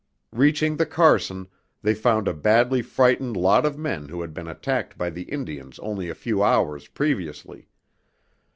Reaching the Carson, they found a badly frightened lot of men who had been attacked by the Indians only a few hours previously.